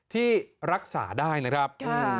ที่รักษาได้นะครับ